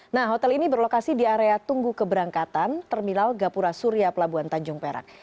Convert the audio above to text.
nah hotel ini berlokasi di area tunggu keberangkatan terminal gapura surya pelabuhan tanjung perak